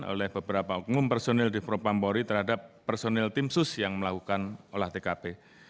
oleh beberapa oknum personil di propampori terhadap personil tim sus yang melakukan olah tkp